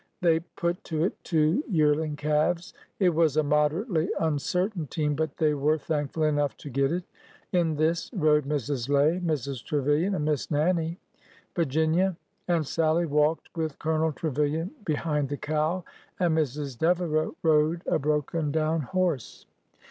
They put to it two yearling calves. It was a moderately un certain team, but they were thankful enough to get it. In this rode Mrs. Lay, Mrs. Trevilian, and Miss Nannie. Virginia and Sallie walked with Colonel Trevilian be hind the cow, and Mrs. Devereau rode a broken down horse.